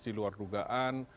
di luar dugaan